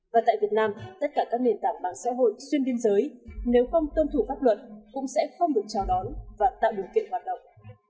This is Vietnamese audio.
và tại việt nam tất cả các nền tảng mạng xã hội xuyên biên giới nếu không tuân thủ pháp luật cũng sẽ không được chào đón và tạo điều kiện hoạt động